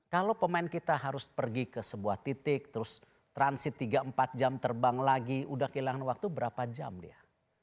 kalau pemain kita harus pergi ke sebuah titik terus transit tiga empat jam terbang lagi udah kehilangan waktu berapa jam dia